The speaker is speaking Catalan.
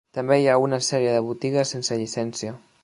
També hi ha una sèrie de botigues sense llicència.